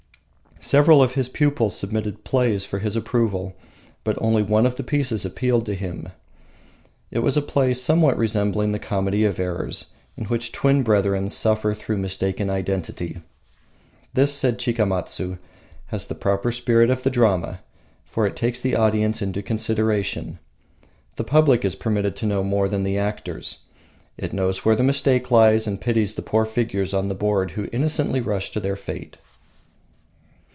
Several of his pupils submitted plays for his approval, but only one of the pieces appealed to him. It was a play somewhat resembling the Comedy of Errors, in which twin brethren suffer through mistaken identity. "This," said Chikamatsu, "has the proper spirit of the drama, for it takes the audience into consideration. The public is permitted to know more than the actors. It knows where the mistake lies, and pities the poor figures on the board who innocently rush to their fate."